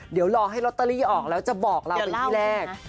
เดี๋ยวรอให้ลอตเตอรี่ออกแล้วจะบอกเราเป็นที่แรก